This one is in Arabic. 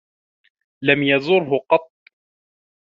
لم يزره قطّ.